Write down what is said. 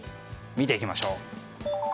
見ていきましょう。